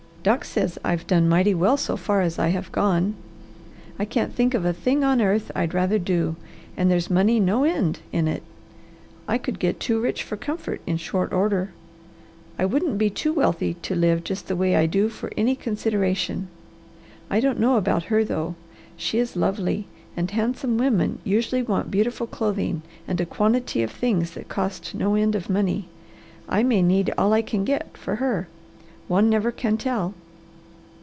Doc says I've done mighty well so far as I have gone. I can't think of a thing on earth I'd rather do, and there's money no end in it. I could get too rich for comfort in short order. I wouldn't be too wealthy to live just the way I do for any consideration. I don't know about her, though. She is lovely, and handsome women usually want beautiful clothing, and a quantity of things that cost no end of money. I may need all I can get, for her. One never can tell."